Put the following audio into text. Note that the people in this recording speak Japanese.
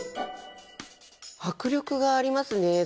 迫力がありますね。